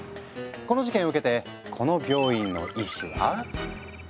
この事件を受けてこの病院の医師は。